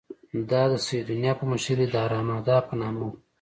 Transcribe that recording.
دا د سیدونیا په مشرۍ د ارمادا په نامه وه.